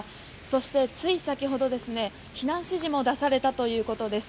そして、つい先ほど避難指示も出されたということです。